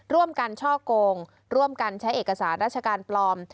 ร่วมกันช่อกงร่วมกันใช้เอกสารราชการปลอม